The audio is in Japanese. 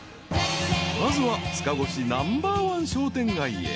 ［まずは塚越ナンバーワン商店街へ］